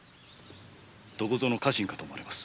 どこぞの家臣かと思われます。